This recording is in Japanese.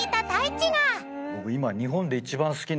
僕今。